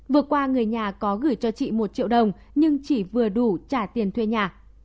vừa qua người nhà có gửi cho chị một triệu đồng nhưng chỉ vừa đủ trả tiền thuê nhà